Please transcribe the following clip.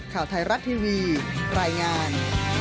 ข่าวไทยรัฐทีวีรายงาน